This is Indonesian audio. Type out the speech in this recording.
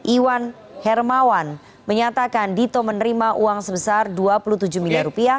iwan hermawan menyatakan dito menerima uang sebesar rp dua puluh tujuh miliar